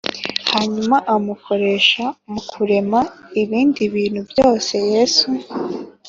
Hanyuma Amukoresha Mu Kurema Ibindi Bintu Byose Yesu